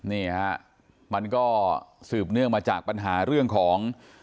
นี่ฮะมันก็สืบเนื่องมาจากปัญหาเรื่องของ